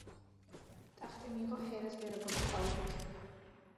ტახტი მიიღო ჰერას ვერაგობის წყალობით.